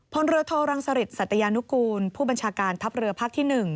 พลเรือโทรังสริตสัตยานุกูลผู้บัญชาการทัพเรือภาคที่๑